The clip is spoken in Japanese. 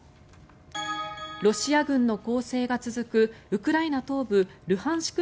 ロシア軍の攻勢が続くウクライナ東部ルハンシク